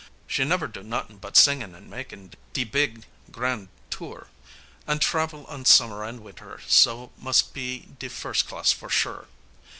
"She never do not'ing but singin' an' makin' de beeg grande tour An' travel on summer an' winter, so mus' be de firs' class for sure!